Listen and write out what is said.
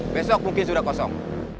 besok mungkin sudah kosong